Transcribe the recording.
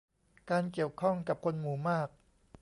การเกี่ยวข้องกับคนหมู่มาก